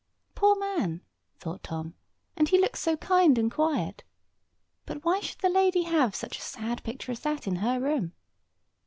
"Poor man," thought Tom, "and he looks so kind and quiet. But why should the lady have such a sad picture as that in her room?